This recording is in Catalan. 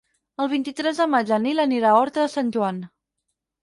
El vint-i-tres de maig en Nil anirà a Horta de Sant Joan.